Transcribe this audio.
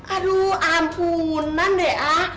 aduh ampunan deh ah